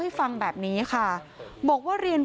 เป็นพระรูปนี้เหมือนเคี้ยวเหมือนกำลังทำปากขมิบท่องกระถาอะไรสักอย่าง